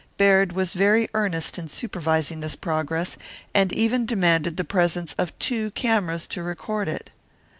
Baird was very earnest in supervising this progress, and even demanded the presence of two cameras to record it.